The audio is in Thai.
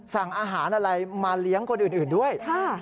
สั่งอาหารอะไรมาเลี้ยงคนอื่นด้วย